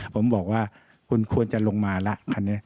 ผมบอกว่าคุณควรจะลงมาละแบบนี้